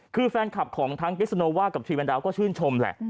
คือแฟนคลับของทั้งคริสโนว่ากับทีแนนดาวก็ชื่นชมแหละ